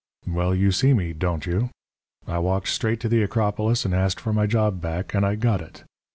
"Well, you see me, don't you? I walked straight to the Acropolis and asked for my job back, and I got it.